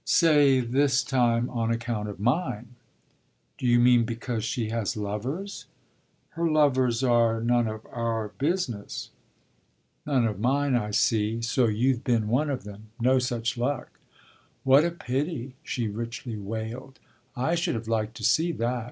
"Say this time on account of mine." "Do you mean because she has lovers?" "Her lovers are none of our business." "None of mine, I see. So you've been one of them?" "No such luck!" "What a pity!" she richly wailed. "I should have liked to see that.